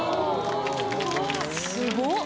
すごっ。